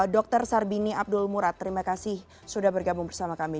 dr sarbini abdul murad terima kasih sudah bergabung bersama kami